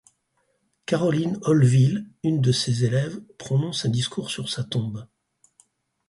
Caroline Holleville, une de ses élèves, prononce un discours sur sa tombe.